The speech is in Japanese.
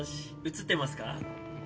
映ってますか？